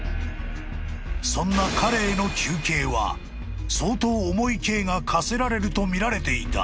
［そんな彼への求刑は相当重い刑が科せられるとみられていた］